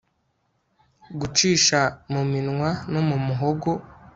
gucisha mu minwa no mu muhogo